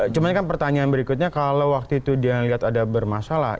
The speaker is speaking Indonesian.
cuman kan pertanyaan berikutnya kalau waktu itu dia lihat ada bermasalah